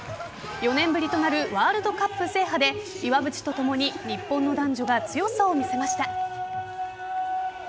４年ぶりとなるワールドカップ制覇で岩渕と共に日本の男女が強さを見せました。